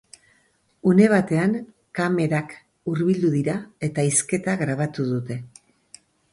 Une batean, kamerak hurbildu dira, eta hizketa grabatu dute.